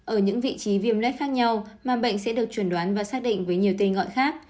ở những vị trí viêm luet khác nhau mà bệnh sẽ được chuẩn đoán và xác định với nhiều tên gọi khác